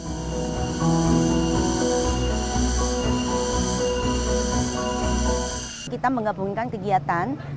pada tahun dua ribu dua puluh kegiatan kegiatan yang diperlukan oleh kabupaten mojokerto adalah kegiatan pelestarian lingkungan dan kegiatan budaya